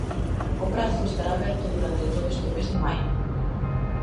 O prazo estará aberto durante todo este mes de maio.